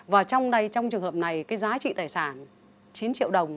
và trong trường hợp này cái giá trị tài sản chín triệu đồng